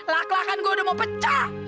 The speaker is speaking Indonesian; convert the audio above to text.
laklakan gue udah mau pecah